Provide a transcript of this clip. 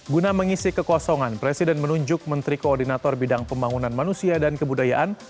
guna mengisi kekosongan presiden menunjuk menteri koordinator bidang pembangunan manusia dan kebudayaan